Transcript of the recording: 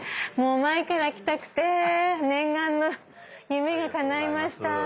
前から来たくて念願の夢がかないました。